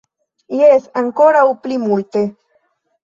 Jes, ankoraŭ pli multe.